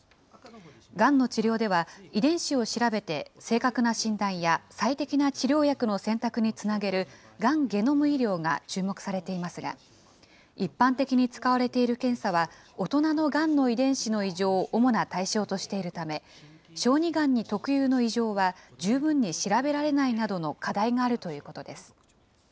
がんの治療では、遺伝子を調べて正確な診断や最適な治療薬の選択につなげるがんゲノム医療が注目されていますが、一般的に使われている検査は大人のがんの遺伝子の異常を主な対象としているため、小児がんに特有の異常は十分に調べられないなどの課題があるということです。